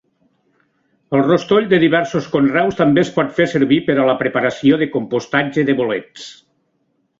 El rostoll de diversos conreus també es pot fer servir per a la preparació de compostatge de bolets.